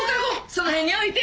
その辺に置いて。